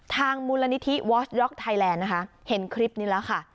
ทางมูลนิธิวอสด็อกไทยแลนด์นะคะเห็นคลิปนี้แล้วค่ะ